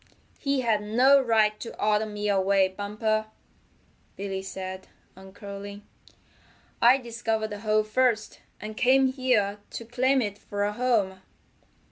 "He had no right to order me away, Bumper," Billy said, uncurling. "I discovered the hole first, and came here to claim it for a home."